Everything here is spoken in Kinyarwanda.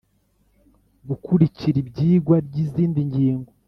Gukurikira iyigwa ry izindi ngingo